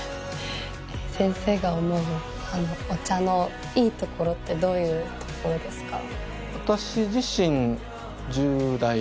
先生が思うお茶のいいところってどういうところですか？